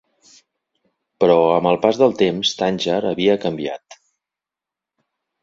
Però, amb el pas del temps, Tànger havia canviat.